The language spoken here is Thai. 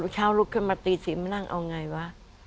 เช้าลุกขึ้นมาตี๔มานั่งเอาไงวะ